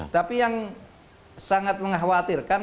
tapi yang sangat mengkhawatirkan